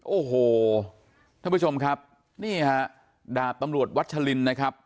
โอ้โหท่านผู้ชมดาบตำรวจวัชลินครับ